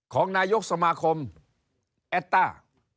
ของนายกสมาคมแอดต้า